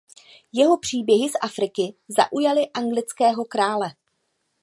Jeho příběhy z Afriky zaujaly anglického krále.